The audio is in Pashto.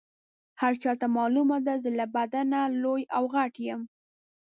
هر چاته معلومه ده زه له بدنه لوی او غټ یم.